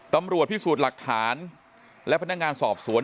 ตำรวจพิสูจน์หลักฐานและพนักงานสอบสวน